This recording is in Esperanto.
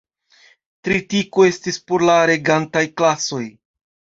Tritiko estis por la regantaj klasoj.